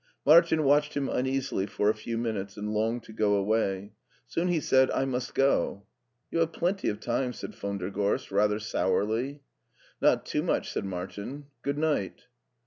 Martin watched him uneasily for a few minutes and longed to go away. Soon he said, " I must go." "You have plenty of time," said von der Gorst, rather sourly. Not tpo much," said Martin ;" good night."